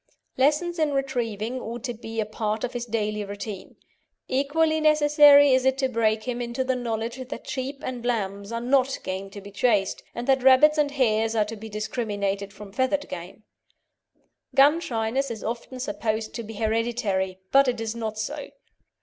Lessons in retrieving ought to be a part of his daily routine. Equally necessary is it to break him in to the knowledge that sheep and lambs are not game to be chased, and that rabbits and hares are to be discriminated from feathered game. Gun shyness is often supposed to be hereditary; but it is not so.